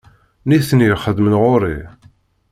Nitni xeddmen ɣer-i.